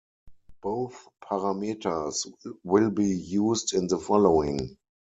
Both parameters will be used in the following.